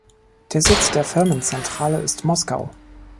Der Sitz der Firmenzentrale ist Moskau.